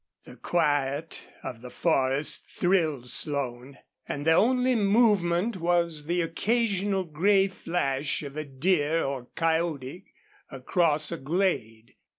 The quiet of the forest thrilled Slone. And the only movement was the occasional gray flash of a deer or coyote across a glade.